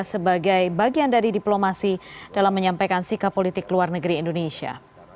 sebagai bagian dari diplomasi dalam menyampaikan sikap politik luar negeri indonesia